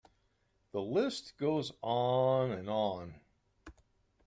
The list goes on and on.